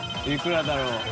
いくらだろう？